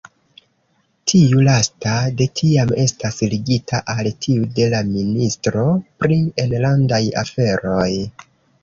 Tiu lasta de tiam estas ligita al tiu de la ministro pri enlandaj aferoj.